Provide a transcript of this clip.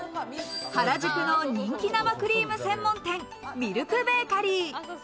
原宿の人気生クリーム専門店ミルクベーカリー。